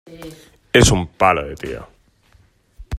Es un palo de tío.